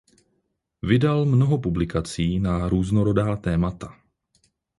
Vydal mnoho publikací na různorodá témata.